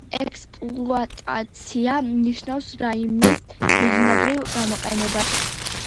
სხვა მნიშვნელობით ექსპლუატაცია ნიშნავს რაიმეს მიზნობრივ გამოყენებას.